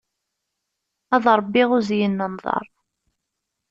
Ad ṛebbiɣ uzyin n nnḍer.